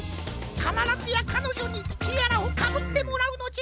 かならずやかのじょにティアラをかぶってもらうのじゃ。